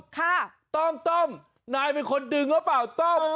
ต้อมต้มนายเป็นคนดึงหรือเปล่าต้อม